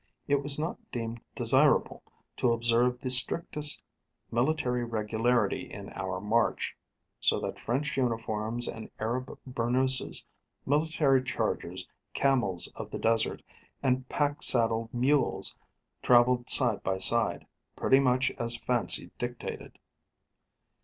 It was not deemed desirable to observe the strictest military regularity in our march; so that French uniforms and Arab burnooses, military chargers, camels of the desert, and pack saddled mules travelled side by side, pretty much as fancy dictated.